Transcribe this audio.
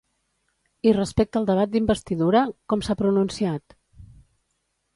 I respecte al debat d'investidura, com s'ha pronunciat?